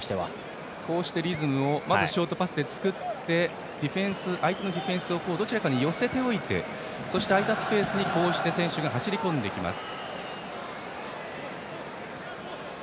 リズムをショートパスで作り相手のディフェンスをどちらかに寄せておいてそして、空いたスペースに選手が走り込んでいきます。